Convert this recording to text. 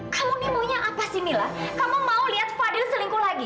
kamu ini maunya apa sih mila kamu mau lihat fadil selingkuh lagi